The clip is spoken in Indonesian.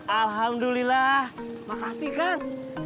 alhamdulillah makasih kang